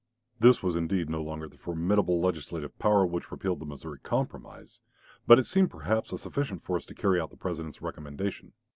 This was indeed no longer the formidable legislative power which repealed the Missouri Compromise, but it seemed perhaps a sufficient force to carry out the President's recommendation.